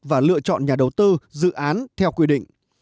và lựa chọn nhà đầu tư dự án theo quy định